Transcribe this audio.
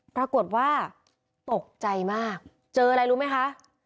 ปรากฏว่าตกใจมากเจออะไรรู้ไหมคะ